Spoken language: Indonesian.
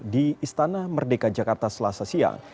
di istana merdeka jakarta selasa siang